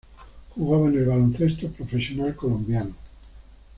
Jugaba en el Baloncesto Profesional Colombiano.